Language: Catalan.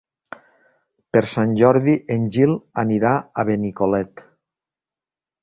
Per Sant Jordi en Gil anirà a Benicolet.